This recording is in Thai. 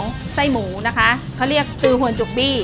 ไส้หมูนะคะเขาเรียกตือหวนจุกบี้